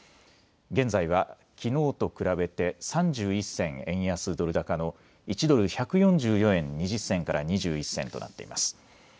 現在はきのうと比べて３１銭円安ドル高の１ドル１４４円２０銭から２１銭となっています。